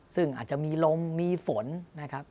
ซึ่งอาจจะมีลมมีฝนนะครับ